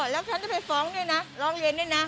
แล้วฉันจะไปฟ้องด้วยนะร้องเรียนด้วยนะ